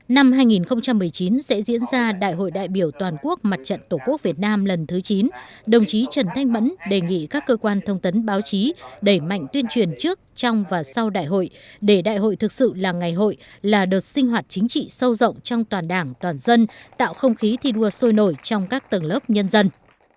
năm hai nghìn một mươi chín sẽ diễn ra đại hội đại biểu toàn quốc mặt trận tổ quốc việt nam lần thứ chín đồng chí trần thanh mẫn đề nghị các cơ quan thông tấn báo chí đẩy mạnh tuyên truyền trước trong và sau đại hội để đại hội thực sự là ngày hội là đợt sinh hoạt chính trị sâu rộng trong toàn đảng toàn dân tạo không khí thi đua sôi nổi trong các tầng lớp nhân dân